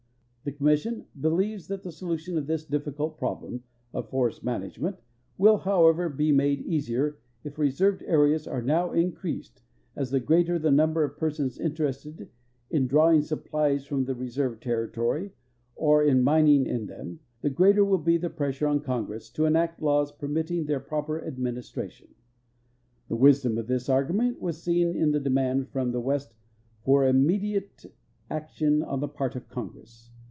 The commission "believes that the solution of this difficult problem [of forest management] will, however, be made easier if reserved areas are now increased, as the greater the number of persons interested in drawing supplies from the reserved territor}^ or in mining in them, the greater will be the pressure on Congress to enact laws permitting their proper administration." The wisdom of this argument was seen in the demand from the West for immediate GEORGE W. MELVILLE ]k7 action on the part of Congress.